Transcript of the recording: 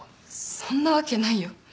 そんなわけないよ。